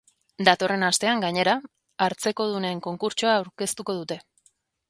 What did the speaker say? Datorren astean, gainera, hartzekodunen konkurtsoa aurkeztuko dute.